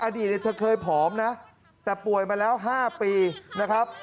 อดีตเธอเคยผอมนะแต่ป่วยมาแล้ว๕ปีนะครับ